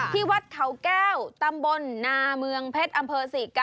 ที่วัดเขาแก้วตำบลนาเมืองเพชรอำเภอ๔๙